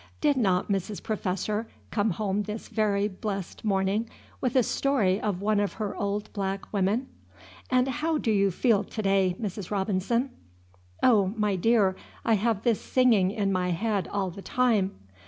Did not Mrs. Professor come home this very blessed morning with a story of one of her old black women? "And how do you feel to day, Mrs. Robinson?" "Oh, my dear, I have this singing in my head all the time."